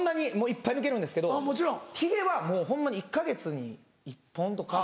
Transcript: いっぱい抜けるんですけどヒゲはもうホンマに１か月に１本とか。